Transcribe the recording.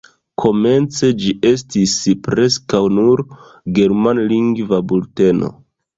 Komence ĝi estis preskaŭ nur germanlingva bulteno.